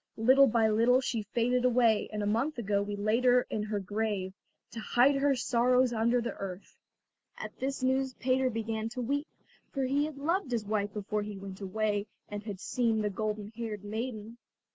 Little by little she faded away, and a month ago we laid her in her grave, to hide her sorrows under the earth." At this news Peter began to weep, for he had loved his wife before he went away and had seen the golden haired maiden.